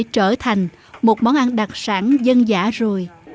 trở thành một món ăn đặc sản dân giả rồi